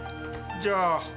じゃあ。